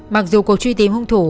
mặc dù cuộc truy tìm hùng thủ